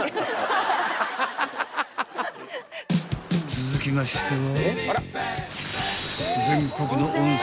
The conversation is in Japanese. ［続きましては］